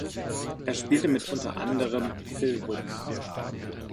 Er spielte mit unter anderem Phil Woods.